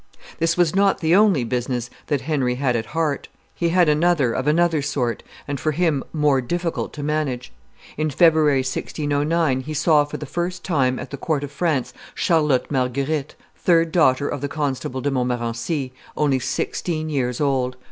This was not the only business that Henry had at heart; he had another of another sort, and, for him, more difficult to manage. In February, 1609, he saw, for the first time, at the court of France, Charlotte Marguerite, third daughter of the Constable de Montmorency, only sixteen years old.